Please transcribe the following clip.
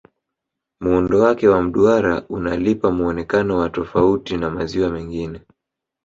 muundo Wake wa mduara unalipa muonekano wa tafauti na maziwa mengine